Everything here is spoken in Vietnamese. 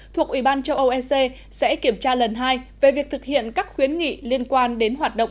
thuộc ủy ban châu âu ec sẽ kiểm tra lần hai về việc thực hiện các khuyến nghị liên quan đến hoạt động